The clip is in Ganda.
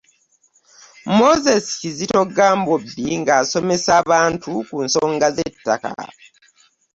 Moses Kizito Gambobbi ng’asomesa abantu ku nsonga z'ettaka.